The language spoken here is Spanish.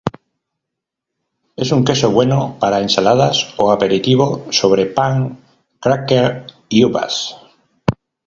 Es un queso bueno para ensaladas o aperitivo sobre pan, "crackers" y uvas.